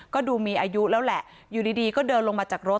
ก็ดูมีอายุแล้วแหละอยู่ดีก็เดินลงมาจากรถ